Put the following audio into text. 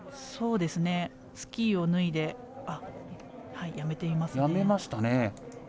スキーを脱いでやめていますね。